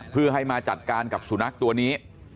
เพื่อให้มาจัดการกับสุนัขตัวนี้